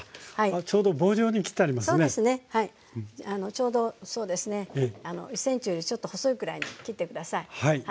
ちょうどそうですね１ｃｍよりちょっと細いくらいに切って下さい。